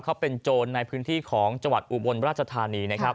เขาเป็นโจรในพื้นที่ของจอุรราชธานี